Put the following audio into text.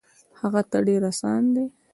هغه ته ډېر اسان دی.